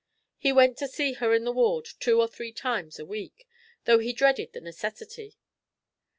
He went to see her in the ward two or three times a week, though he dreaded the necessity.